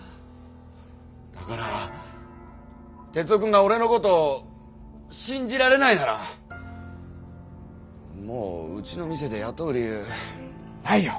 だから徹生君が俺のこと信じられないならもううちの店で雇う理由ないよ。